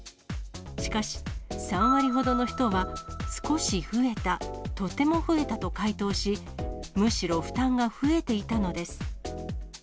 しかし、３割ほどの人は少し増えた、とても増えたと回答し、むしろ負担が増えていたのです。